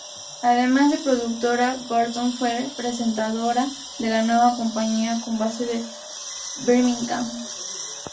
Además de productora, Gordon fue presentadora de la nueva compañía con base en Birmingham.